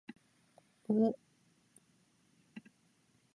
うお